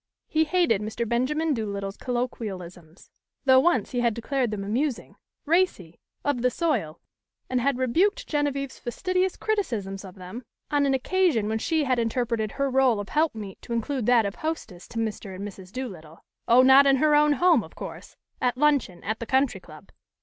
He hated Mr. Benjamin Doolittle's colloquialisms, though once he had declared them amusing, racy, of the soil, and had rebuked Genevieve's fastidious criticisms of them on an occasion when she had interpreted her rôle of helpmeet to include that of hostess to Mr. and Mrs. Doolittle oh, not in her own home, of course! at luncheon, at the Country Club!